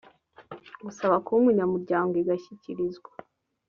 gusaba kuba umunyamuryango igashyikirizwa